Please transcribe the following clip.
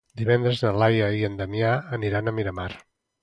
Divendres na Laia i en Damià aniran a Miramar.